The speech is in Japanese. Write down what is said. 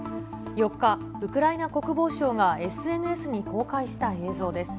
４日、ウクライナ国防省がＳＮＳに公開した映像です。